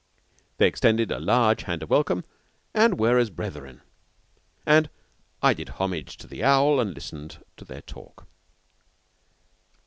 They extended a large hand of welcome, and were as brethren, and I did homage to the owl and listened to their talk.